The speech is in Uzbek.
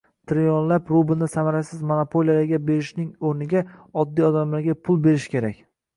Trillionlab rublni samarasiz monopoliyalarga berishning o'rniga, oddiy odamlarga pul berish kerak